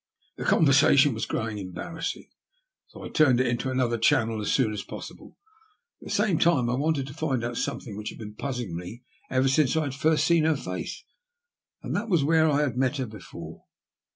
The conversation was growing embarrassing, so I turned it into another channel as soon as possible. At the same time I wanted to find out something which had been puzzling me ever since I had first seen her face, and that was where I had met her before.